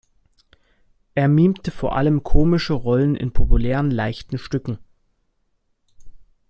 Er mimte vor allem komische Rollen in populären leichten Stücken.